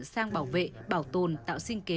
sang bảo vệ bảo tồn tạo sinh kế